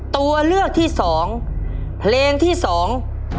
ตัวเลือกที่สองเพลงที่สอง